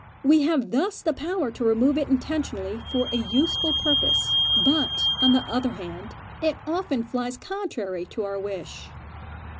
We have thus the power to remove it intentionally for a useful purpose, but, on the other hand, it often flies contrary to our wish.